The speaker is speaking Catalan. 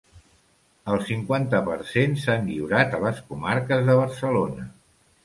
El cinquanta per cent s'han lliurat a les comarques de Barcelona.